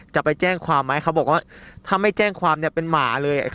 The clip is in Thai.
จะไปแจ้งความไหมเขาบอกว่าถ้าไม่แจ้งความเนี่ยเป็นหมาเลย